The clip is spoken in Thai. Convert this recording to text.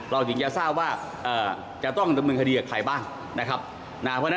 เราถึงจะทราบว่าจะต้องดำเนินทฤทธิ์กับใครบ้าง